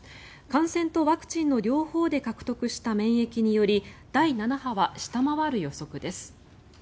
感染とワクチンの両方で獲得した免疫により第７波は下回る予測です。